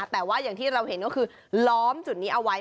แต่ว่าอย่างที่เราเห็นก็คือล้อมจุดนี้เอาไว้